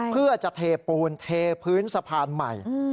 เพื่อจะเทปูนเทพื้นสะพานใหม่